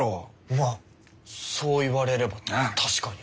まあそう言われれば確かに。